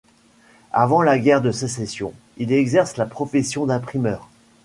Avant la guerre de Sécession, il exerce la profession d'imprimeur.